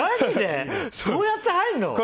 そうやって入るの？